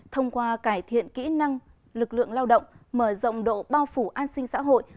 thông qua cải thiện kỹ năng lực lượng lao động mở rộng độ bao phủ an sinh xã hội